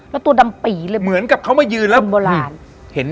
แล้วตัวดำปีเลยเหมือนกับเข้ามายืนแล้ว